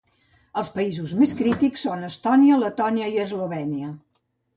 Els països més crítics són Estònia, Letònia i Eslovènia.